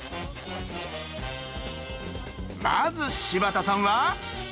まず柴田さんは。